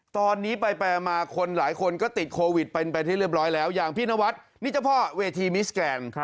ตอนนี้ไปมาคนหลายคนก็ติดโควิดเป็นไปที่เรียบร้อยแล้วอย่างพี่นวัดนี่เจ้าพ่อเวทีมิสแกน